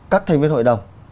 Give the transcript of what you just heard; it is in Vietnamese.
các thành viên hội đồng